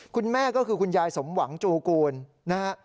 คุณแม่ก็คือคุณยายสมหวังจูกูลนะฮะ